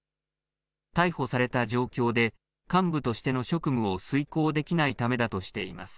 逮捕された状況で幹部としての職務を遂行できないためだとしています。